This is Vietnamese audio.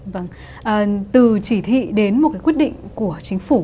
vâng từ chỉ thị đến một cái quyết định của chính phủ